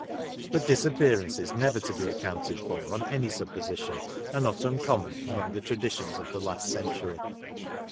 But disappearances never to be accounted for on any supposition, are not uncommon, among the traditions of the last century.